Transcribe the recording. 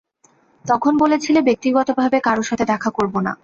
তখন বলেছিলে ব্যক্তিগতভাবে কারো সাথে দেখা করব না।